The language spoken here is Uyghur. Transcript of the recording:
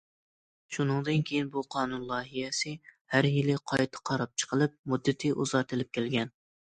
شۇنىڭدىن كېيىن، بۇ قانۇن لايىھەسى ھەر يىلى قايتا قاراپ چىقىلىپ، مۇددىتى ئۇزارتىلىپ كەلگەن.